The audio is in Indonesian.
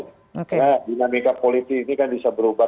nah dinamika politik ini kan bisa berubah